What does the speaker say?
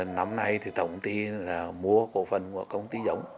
năm nay thì tổng ty mua cổ phần của công ty giống